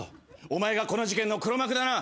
お前がこの事件の黒幕だな。